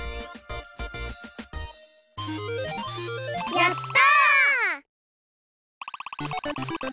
やった！